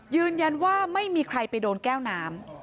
ยืนยันว่าไม่มีใครไปโดนแก้วน้ำ